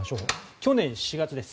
去年４月です。